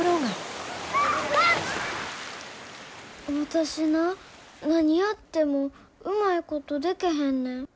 私な何やってもうまいことでけへんねん。